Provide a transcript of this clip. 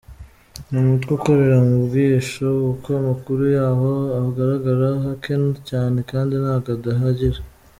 Ni umutwe ukorera mu bwihisho kuko amakuru yawo agaragara hake cyane kandi nabwo adahagije.